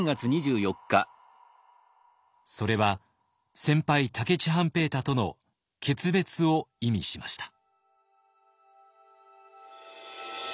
それは先輩武市半平太との決別を意味しました。